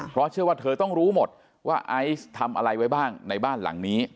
เพราะเชื่อว่าเธอต้องรู้หมดว่าไอซ์ทำอะไรไว้บ้างในบ้านหลังนี้